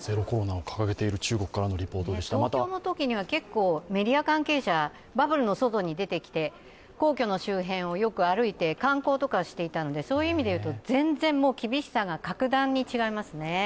東京のときにはメディア関係者、バブルの外に出てきて皇居の周辺をよく歩いて、観光とかしていたのでそういう意味で言うと、全然厳しさが格段に違いますね。